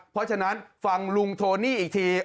เพราะฉะนั้นฟังลุงโทนี่อีกที